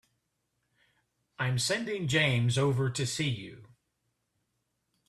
I'm sending James over to see you.